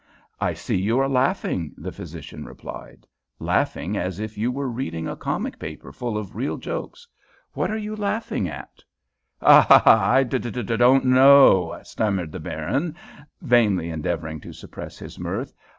"I see you are laughing," the physician replied "laughing as if you were reading a comic paper full of real jokes. What are you laughing at?" "Ha ha! I I d dud don't know," stammered the Baron, vainly endeavoring to suppress his mirth.